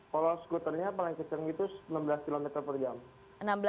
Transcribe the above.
kalau skuternya paling keceng itu sembilan belas km per jam